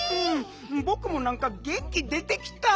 ぼくもなんかげんき出てきた！